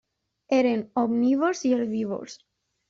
Eren omnívors i herbívors.